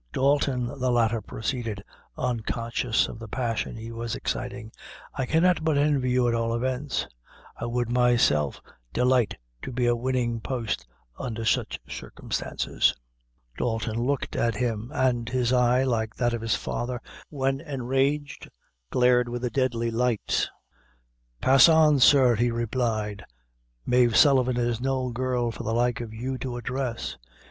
"Dalton," the latter proceeded, unconscious of the passion he was exciting, "I cannot but envy you at all events; I would myself delight to be a winning post under such circumstances." [Illustration: PAGE 853 His eye, like that of his father, when enraged] Dalton looked at him, and his eye, like that of his father, when enraged, glared with a deadly light. "Pass on, sir," he replied; "Mave Sullivan is no girl for the like of you to address.